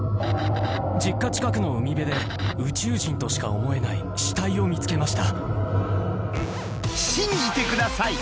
実家近くの海辺で宇宙人としか思えない死体を見つけました。